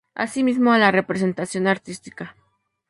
Así como a la representación artística.